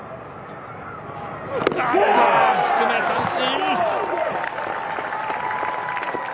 低め、三振。